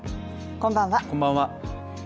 こんばんは。